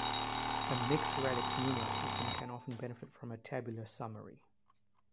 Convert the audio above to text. A mixed radix numeral system can often benefit from a tabular summary.